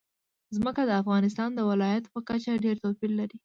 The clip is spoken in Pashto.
ځمکه د افغانستان د ولایاتو په کچه ډېر توپیر لري.